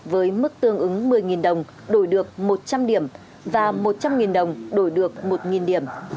với mức tương ứng một mươi đồng đổi được một trăm linh điểm và một trăm linh đồng đổi được một điểm